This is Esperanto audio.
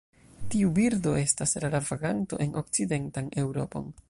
Tiu birdo estas rara vaganto en okcidentan Eŭropon.